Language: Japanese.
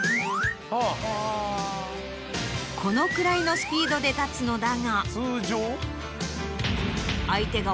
このくらいのスピードで立つのだが。